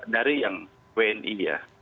dari yang wni ya